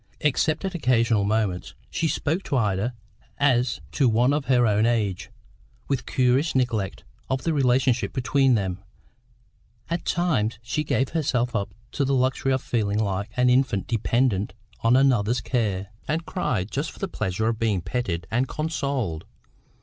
Except at occasional moments, she spoke to Ida as to one of her own age, with curious neglect of the relationship between them; at times she gave herself up to the luxury of feeling like an infant dependent on another's care; and cried just for the pleasure of being petted and consoled.